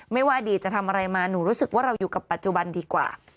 ว่าอดีตจะทำอะไรมาหนูรู้สึกว่าเราอยู่กับปัจจุบันดีกว่า